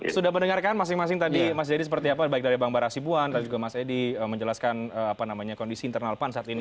sudah mendengarkan masing masing tadi mas jayadi seperti apa baik dari bang bara sibuan dan juga mas edi menjelaskan kondisi internal pan saat ini